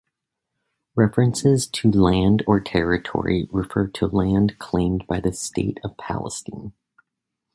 References to land or territory refer to land claimed by the State of Palestine.